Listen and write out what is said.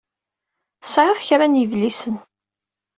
Tesɛiḍ kra n yedlisen.